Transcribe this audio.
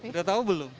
sudah tahu belum